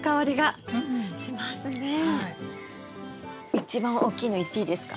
一番大きいのいっていいですか？